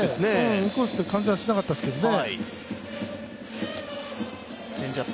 インコースという感じはしなかったですけどね。